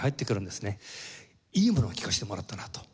いいものを聴かせてもらったなと。